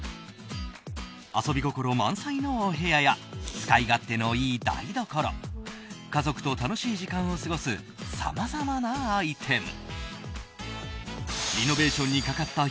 遊び心満載のお部屋や使い勝手の良い台所家族と楽しい時間を過ごすさまざまなアイテム。